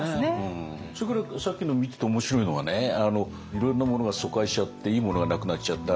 それからさっきの見てて面白いのはいろいろなものが疎開しちゃっていいものがなくなっちゃった。